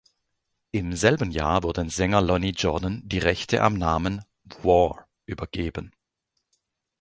Im selben Jahr wurden Sänger Lonnie Jordan die Rechte am Namen „War“ übergeben.